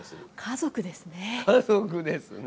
家族ですね！